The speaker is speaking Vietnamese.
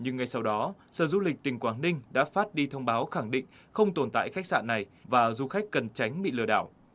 nhưng ngay sau đó sở du lịch tỉnh quảng ninh đã phát đi thông báo khẳng định không tồn tại khách sạn này và du khách cần tránh bị lừa đảo